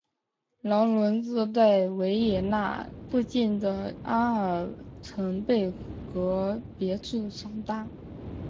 劳伦兹在维也纳附近的阿尔滕贝格别墅长大。